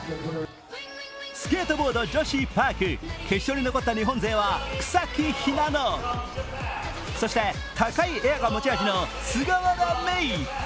スケートボード女子パーク、決勝に残った日本勢は草木ひなの、そして高いエアが持ち味の菅原芽衣。